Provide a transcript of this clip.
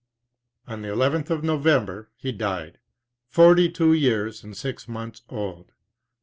On the llth of November he died, forty two years and six months old.